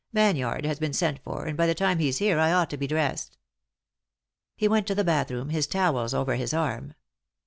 Banyard has been sent for, and by the time he's here I ought to be dressed." He went to the bath room, his towels over his arm.